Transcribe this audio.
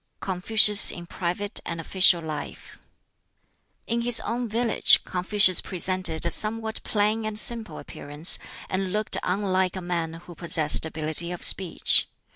"] BOOK X Confucius in Private and Official Life In his own village, Confucius presented a somewhat plain and simple appearance, and looked unlike a man who possessed ability of speech.